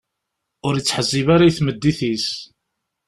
Ur ittḥezzib ara i tmeddit-is.